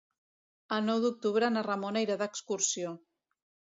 El nou d'octubre na Ramona irà d'excursió.